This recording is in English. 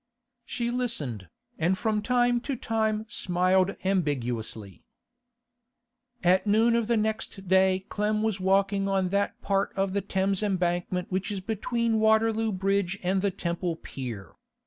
She listened, and from time to time smiled ambiguously. ... At noon of the next day Clem was walking on that part of the Thames Embankment which is between Waterloo Bridge and the Temple Pier.